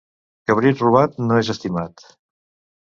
Cabrit robat no és estimat.